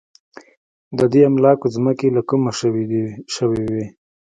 د دې املاکو ځمکې له کومه شوې وې.